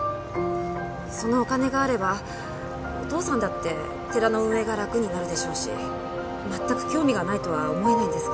そのお金があればお父さんだって寺の運営が楽になるでしょうし全く興味がないとは思えないんですが。